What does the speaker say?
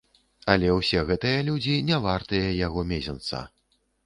Але ўсе гэтыя людзі не вартыя яго мезенца.